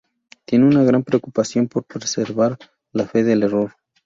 Tiene una gran preocupación por preservar la fe del error.